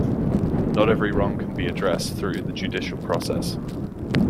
Not every wrong can be addressed through the judicial process.